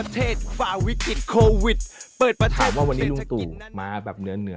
ถามว่าวันนี้ลุงตูมาแบบเหนือ